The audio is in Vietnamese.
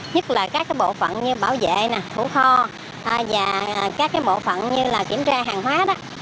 nhất là các bộ phận như bảo vệ thủ kho và các bộ phận như kiểm tra hàng hóa